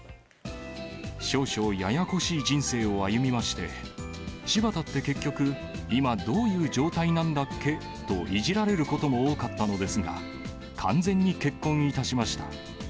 少々ややこしい人生を歩みまして、柴田って結局、今、どういう状態なんだっけ？といじられることも多かったのですが、完全に結婚いたしました。